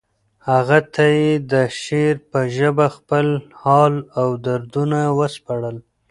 هغه ته یې د شعر په ژبه خپل حال او دردونه وسپړل